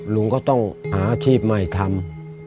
ลุงก็ต้องหาอาชีพใหม่ทำ